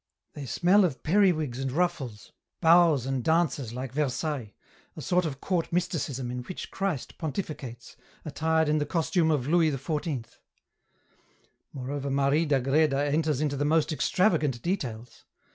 " They smell of perriwigs and ruffles, bows and dances like Versailles, a sort of court mysticism in which Christ pontifi cates, attired in the costume of Louis XIV. " Moreover Marie d'Agreda enters into most extravagant details.